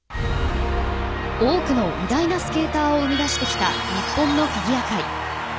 多くの偉大なスケーターを生み出してきた日本のフィギュア界。